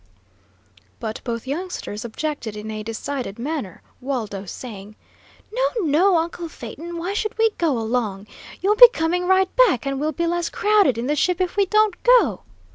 But both youngsters objected in a decided manner, Waldo saying: "No, no, uncle Phaeton! Why should we go along? You'll be coming right back, and will be less crowded in the ship if we don't go."